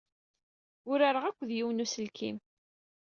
Urareɣ akked yiwen n uselkim.